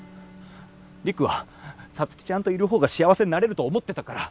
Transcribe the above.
陸は皐月ちゃんといる方が幸せになれると思ってたから。